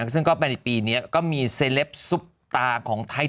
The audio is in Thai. ซึ่งก็ไปในปีนี้ก็มีเซลปซุปตาของไทย